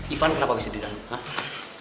ivan kenapa bisa di dalam hah